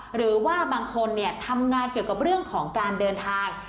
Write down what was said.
หรือว่าบางคนทำงานเกี่ยวกับเรื่องของการเดินทาง